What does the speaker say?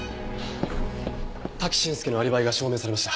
滝俊介のアリバイが証明されました。